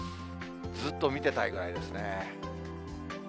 ずっと見てたいぐらいですね。